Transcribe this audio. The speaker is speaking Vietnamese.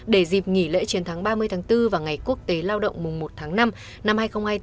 để dịp nghỉ lễ chiến thắng ba mươi tháng bốn và ngày quốc tế lao động mùng một tháng năm năm hai nghìn hai mươi bốn